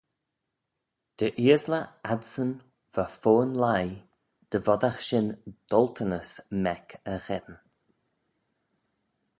Dy eaysley adsyn va fo'n leigh, dy voddagh shin doltanys mec y gheddyn.